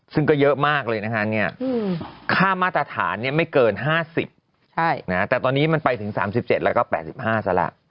ซึ่งก็เยอะมากเลยนะคะเนี่ยอืมค่ามาตรฐานเนี่ยไม่เกิน๕๐ใช่นะแต่ตอนนี้มันไปถึง๓๗แล้วก็๘๕ซะละ